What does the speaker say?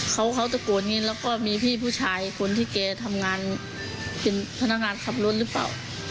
เขาเขาตะโกนอย่างนี้แล้วก็มีพี่ผู้ชายคนที่แกทำงานเป็นพนักงานขับรถหรือเปล่า